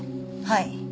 はい。